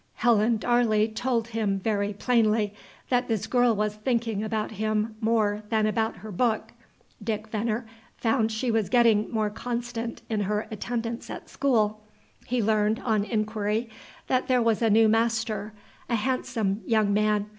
Helen Darley told him very plainly that this girl was thinking about him more than about her book. Dick Venner found she was getting more constant in her attendance at school. He learned, on inquiry, that there was a new master, a handsome young man.